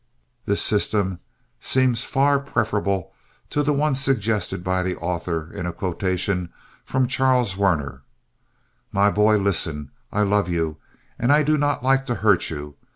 This system seems far preferable to the one suggested by the author in a quotation from Charles Werner: "My boy, listen: I love you and I do not like to hurt you.